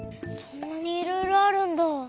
そんなにいろいろあるんだ。